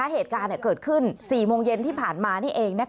เหตุการณ์เกิดขึ้น๔โมงเย็นที่ผ่านมานี่เอง